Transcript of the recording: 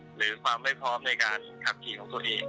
หรือความไม่พร้อมในการขับขี่ของตัวเอง